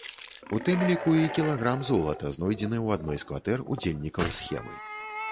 У тым ліку і кілаграм золата, знойдзены ў адной з кватэр удзельнікаў схемы.